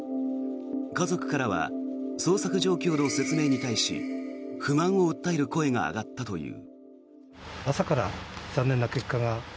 家族からは捜索状況の説明に対し不満を訴える声が上がったという。